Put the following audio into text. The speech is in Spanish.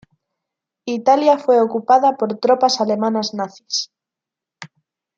Italia fue ocupada por tropas alemanas nazis.